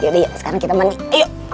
yaudah yuk sekarang kita mandi ayo